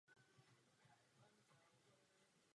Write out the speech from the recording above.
Nenechávejme se zaslepit našimi ideologickými preferencemi.